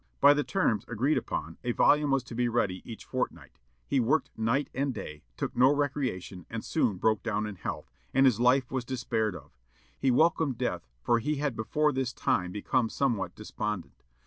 By the terms agreed upon, a volume was to be ready each fortnight. He worked night and day, took no recreation, and soon broke down in health; and his life was despaired of. He welcomed death, for he had before this time become somewhat despondent.